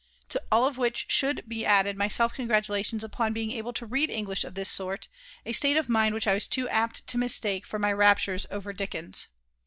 To all of which should be added my self congratulations upon being able to read English of this sort, a state of mind which I was too apt to mistake for my raptures over Dickens.